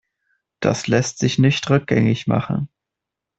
Das lässt sich nicht rückgängig machen.